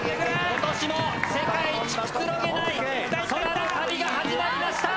今年も世界一くつろげない空の旅が始まりました。